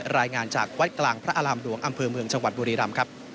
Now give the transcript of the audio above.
รายงานจากวัดกลางพระอารามหลวงอำเภอเมืองจังหวัดบุรีรำครับ